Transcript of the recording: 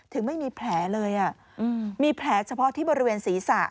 ถึงไม่มีแผลเลยมีแผลเฉพาะที่บริเวณศีรษะ